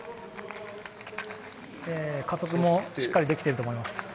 加速もしっかりできてると思います。